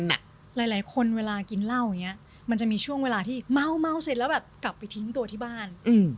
หลายคนเวลากินเหล้าอย่างนี้มันจะมีช่วงเวลาที่เมาเสร็จแล้วแบบกลับไปทิ้งตัวที่บ้าน